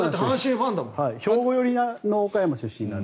兵庫寄りの岡山出身なので。